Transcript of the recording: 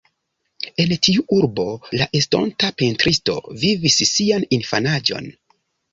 En tiu urbo la estonta pentristo vivis sian infanaĝon.